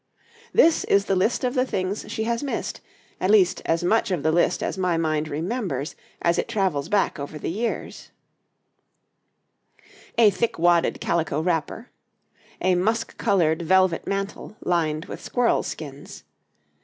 This is the list of the things she has missed at least, as much of the list as my mind remembers as it travels back over the years: [Illustration: {A woman of the time of Anne}] A thick wadded Calico Wrapper. A Musk coloured Velvet Mantle lined with Squirrels' Skins.